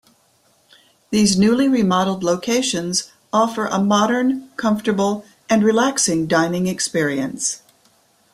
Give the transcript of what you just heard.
These newly remodeled locations offer a modern, comfortable, and relaxing dining experience.